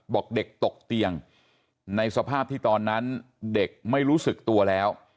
บอกเด็กตกเตียงในสภาพที่ตอนนั้นเด็กไม่รู้สึกตัวแล้ว